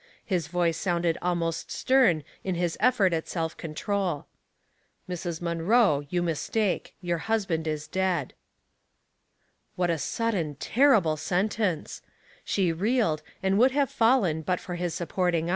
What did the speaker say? His voice sounded almost stern in his effort at self control. " Mrs. Munroe, you mistake. Your husband is dead." What a sudden, terrible sentence! She reeled, and would have fallen but for his supporting 296 Household Puzzles.